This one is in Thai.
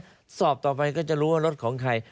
ก็สอบต่อไปก็จะรู้ว่ารถของใคร